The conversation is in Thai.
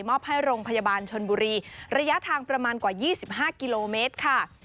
อบให้โรงพยาบาลชนบุรีระยะทางประมาณกว่า๒๕กิโลเมตรค่ะ